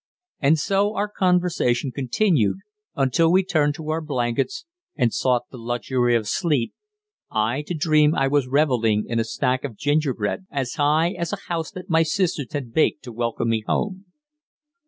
And so our conversation continued until we turned to our blankets and sought the luxury of sleep, I to dream I was revelling in a stack of gingerbread as high as a house that my sisters had baked to welcome me home.